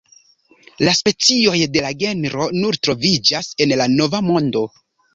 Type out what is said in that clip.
La specioj de la genro nur troviĝas en la Nova Mondo.